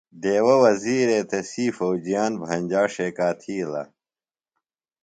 دیوہ وزیرے تسی فوجیان بھنجا ݜیکا تِھیلہ۔